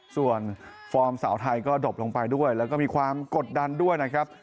ส่วนฟอร์มสาวไทยก็ดบลงไปด้วยแล้วก็มีความกดดันด้วยนะครับ